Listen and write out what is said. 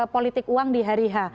politik uang di hari h